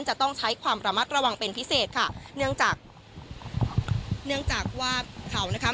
จะต้องใช้ความระมัดระวังเป็นพิเศษค่ะเนื่องจากเนื่องจากว่าเขานะคะ